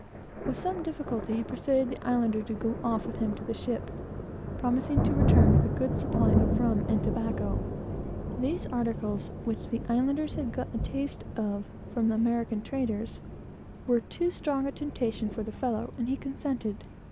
With some difficulty, he persuaded the islander to go off with him to the ship, promising to return with a good supply of rum and tobacco. These articles, which the islanders had got a taste of from American traders, were too strong a temptation for the fellow, and he consented.